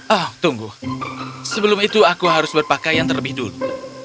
ah tunggu sebelum itu aku harus berpakaian terlebih dulu